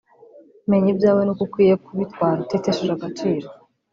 menya ibyawe n’uko ukwiye kubitwara utitesheje agaciro